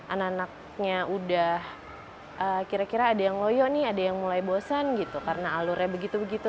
anak anaknya udah kira kira ada yang loyo nih ada yang mulai bosan gitu karena alurnya begitu begitu